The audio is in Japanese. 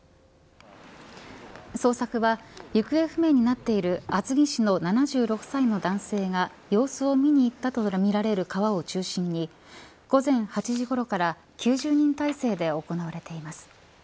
捜索は行方不明になっている厚木市の７６歳の男性が様子を見に行ったとみられる川を中心に午前８時ごろから９０人態勢で行われています。